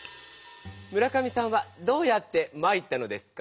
「村上さんはどうやって参ったのですか？」